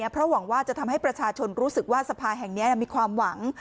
เพราะหวังว่าจะทำให้ประชาชนรู้สึกว่าสภาแห่งนี้มีความหวัง